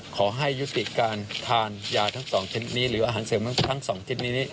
ขอให้ยุติการทานยาทั้ง๒ชนิดนี้หรืออาหารเสริมทั้ง๒ชนิดนี้